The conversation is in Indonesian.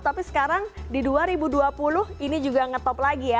tapi sekarang di dua ribu dua puluh ini juga ngetop lagi ya